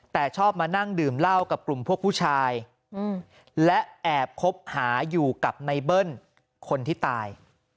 แต่ชอบมานั่งดื่มเหล้ากับกลุ่มพวกผู้ชายและแอบคบหาอยู่กับในเบิ้ลคนที่ตาย